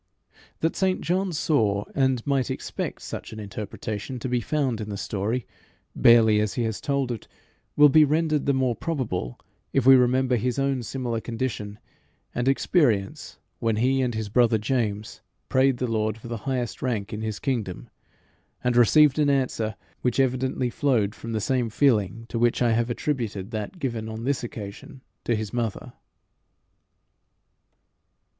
That St John saw, and might expect such an interpretation to be found in the story, barely as he has told it, will be rendered the more probable if we remember his own similar condition and experience when he and his brother James prayed the Lord for the highest rank in his kingdom, and received an answer which evidently flowed from the same feeling to which I have attributed that given on this occasion to his mother.